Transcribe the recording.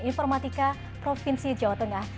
informatika provinsi jawa tengah